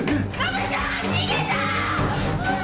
逃げたー！